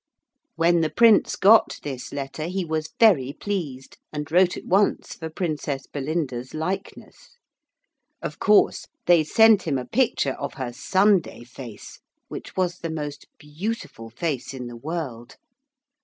When the Prince got this letter he was very pleased, and wrote at once for Princess Belinda's likeness. Of course they sent him a picture of her Sunday face, which was the most beautiful face in the world.